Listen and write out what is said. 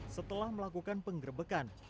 setelah melakukan penggerbekan